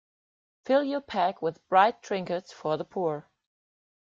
Fill your pack with bright trinkets for the poor.